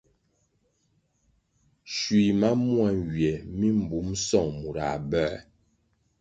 Schui ma mua nywie mi mbum song murãh bĕr.